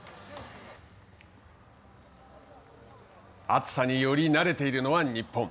熱さにより慣れているのは日本。